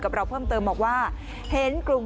เราเพิ่มเติมบอกว่าเห็นกลุ่ม